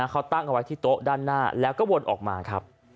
เขาตั้งเอาไว้ที่โต๊ะด้านหน้าแล้วก็วนออกมาครับ